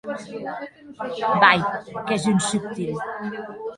Vai!, qu'ès un subtil!